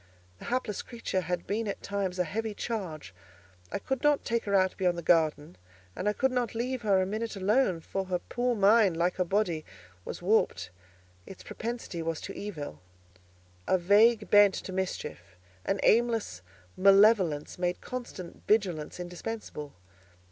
The hapless creature had been at times a heavy charge; I could not take her out beyond the garden, and I could not leave her a minute alone: for her poor mind, like her body, was warped: its propensity was to evil. A vague bent to mischief, an aimless malevolence, made constant vigilance indispensable.